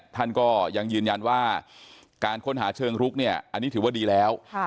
ท่านก็ยังยืนยันว่าการค้นหาเชิงรุกเนี่ยอันนี้ถือว่าดีแล้ว